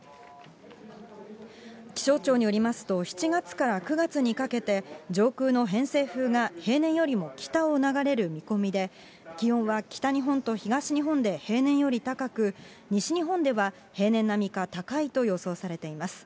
気象庁によりますと、７月から９月にかけて、上空の偏西風が平年よりも北を流れる見込みで、気温は北日本と東日本で平年より高く、西日本では平年並みか高いと予想されています。